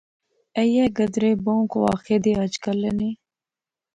ایہہ گدرے بہوں کواخے دے اج کلے نے